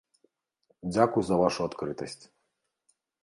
Дзякуй за вашу адкрытасць.